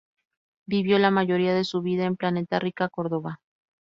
Vivió la mayoría de su vida en Planeta Rica, Córdoba.